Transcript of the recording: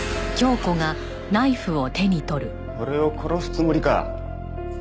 俺を殺すつもりか？